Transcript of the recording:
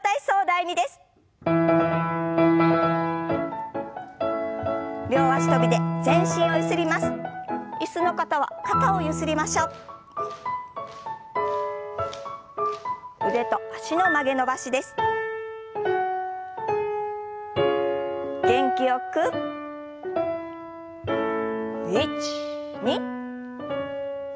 １２。